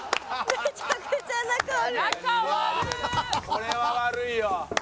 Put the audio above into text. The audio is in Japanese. これは悪いよ